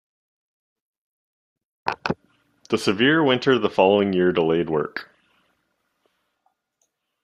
The severe winter the following year delayed work.